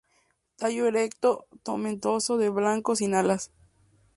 Tallo erecto, tomentoso de blanco, sin alas.